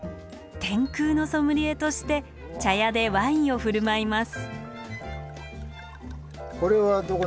天空のソムリエとして茶屋でワインを振る舞います。